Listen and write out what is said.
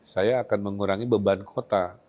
saya akan mengurangi beban kota